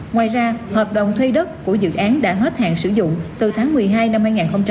ngoài ra hợp đồng thuê đất của dự án đã hết hạn sử dụng từ tháng một mươi hai năm hai nghìn hai mươi